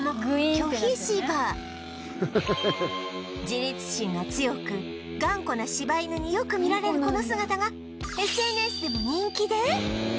自立心が強く頑固な柴犬によく見られるこの姿が ＳＮＳ でも人気で